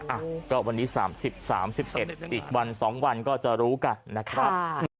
อ่ะก็วันนี้สามสิบสามสิบเอ็ดอีกวันสองวันก็จะรู้กันนะครับ